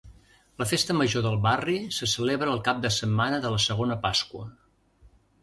La festa major del barri se celebra el cap de setmana de la segona Pasqua.